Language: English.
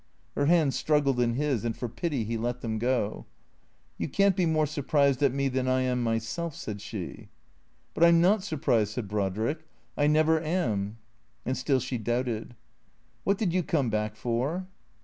Her hands struggled in his, and for pity he let them go. " You can't be more surprised at me than I am myself," said she. " But I 'm not surprised," said Brodrick. " I never am." And still she doubted. " Wliat did you come back for